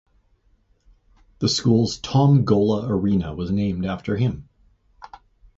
The school's Tom Gola Arena was named after him.